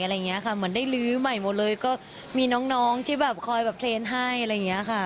เหมือนได้ลื้อใหม่หมดเลยก็มีน้องที่คอยเทรนด์ให้